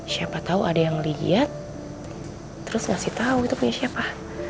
siapa tau ada yang liat terus ngasih tau itu punya siapa